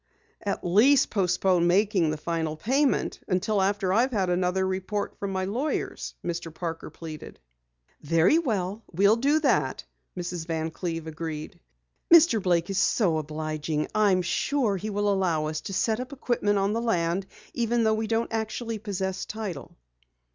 "At least postpone making the final payment until after I have had another report from my lawyers," Mr. Parker pleaded. "Very well, we'll do that," Mrs. Van Cleve agreed. "Mr. Blake is so obliging I am sure he will allow us to set up equipment on the land, even though we don't actually possess title."